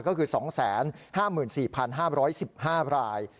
ก็คือ๒๕๔๕๑๕ราย